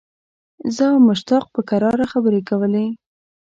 زه او مشتاق په کراره خبرې کولې.